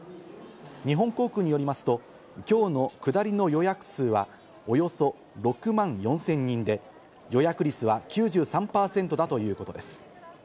日本航空によりますと、きょうの下りの予約数はおよそ６万４０００人で、予約率は９３％だということです。